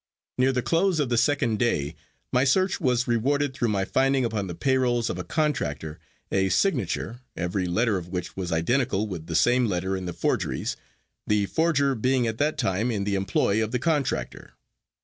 Near the close of the second day my search was rewarded through my finding upon the payrolls of a contractor a signature, every letter of which was identical with the same letter in the forgeries, the forger being at that time in the employ of the contractor.